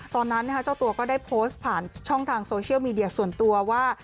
ตอนนั้นเจ้าตัวก็ได้โพสต์ผ่านช่องทางโซเชียลมีเดียส่วนตัวว่า